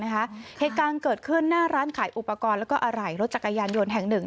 เหตุการณ์เกิดขึ้นหน้าร้านขายอุปกรณ์แล้วก็อะไหล่รถจักรยานยนต์แห่งหนึ่ง